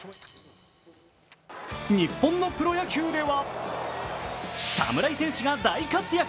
日本のプロ野球では侍選手が大活躍。